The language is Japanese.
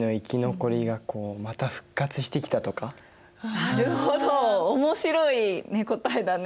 なるほど面白い答えだね。